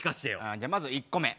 じゃあまず１個目。